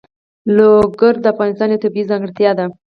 لوگر د افغانستان یوه طبیعي ځانګړتیا ده.